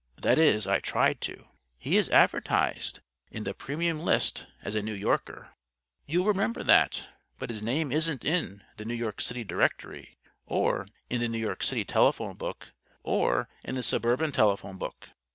That is, I tried to. He is advertised in the premium list, as a New Yorker. You'll remember that, but his name isn't in the New York City Directory or in the New York City telephone book or in the suburban telephone book.